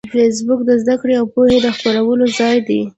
فېسبوک د زده کړې او پوهې د خپرولو ځای دی